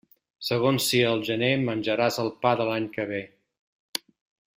Segons sia el gener menjaràs el pa de l'any que ve.